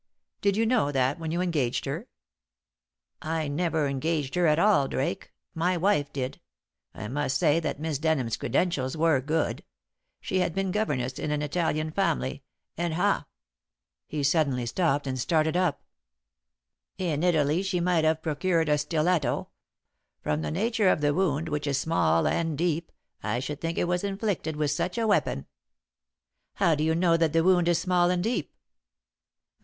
"Did you know that when you engaged her?" "I never engaged her at all, Drake. My wife did. I must say that Miss Denham's credentials were good. She had been governess in an Italian family, and ha! " He stopped suddenly, and started up. "In Italy she might have procured a stiletto. From the nature of the wound which is small and deep I should think it was inflicted with such a weapon." "How do you know that the wound is small and deep?"